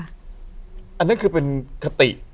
อันนั้นคือเป็นคติ